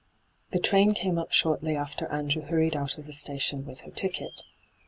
The train came up shortly after Andrew harried out of the station with her ticket.